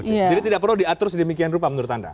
jadi tidak perlu diatur sedemikian rupa menurut anda